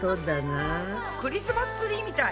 クリスマスツリーみたい。